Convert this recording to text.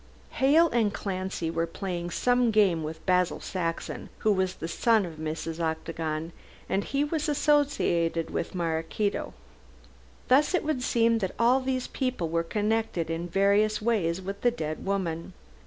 Hale and Clancy were playing some game with Basil Saxon, who was the son of Mrs. Octagon, and he was associated with Maraquito. Thus it would seem that all these people were connected in various ways with the dead woman.